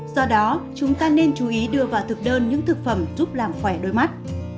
do đó chúng ta nên chú ý đưa vào thực đơn những thực phẩm giúp làm khỏe đôi mắt